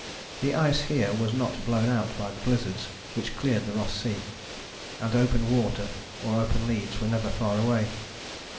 The ice here was not blown out by the blizzards which cleared the Ross Sea, and open water or open leads were never far away.